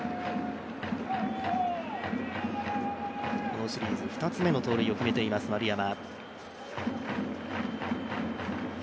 このシリーズ２つ目の盗塁を決めています丸山。